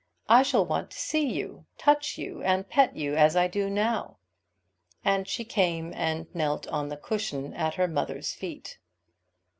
I shall want to see you, touch you, and pet you as I do now." And she came and knelt on the cushion at her mother's feet.